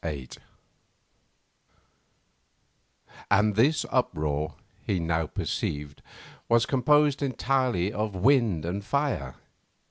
VIII And this uproar, he now perceived, was composed entirely of wind and fire.